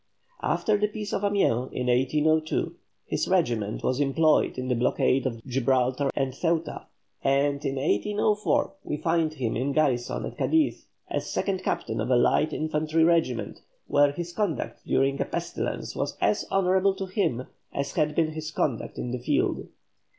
After the Peace of Amiens in 1802, his regiment was employed in the blockade of Gibraltar and Ceuta, and in 1804 we find him in garrison at Cadiz, as second captain of a light infantry regiment, where his conduct during a pestilence was as honourable to him as had been his conduct in the field.